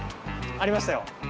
ありましたよ！